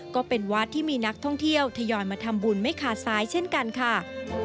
ก็เป็นวัดที่มีนักท่องเที่ยวทยอยมาทำบุญไม่ขาดซ้ายเช่นกันค่ะ